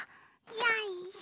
よいしょ。